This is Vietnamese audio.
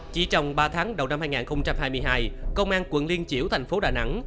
chỉ trong ba tháng đầu năm hai nghìn hai mươi hai công an quận liên triểu thành phố đà nẵng